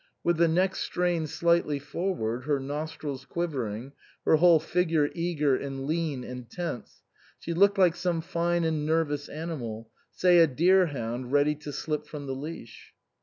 With the neck strained slightly forward, her nostrils quivering, her whole figure eager and lean and tense, she looked like some fine and nervous animal, say a deer hound ready to slip from the leash.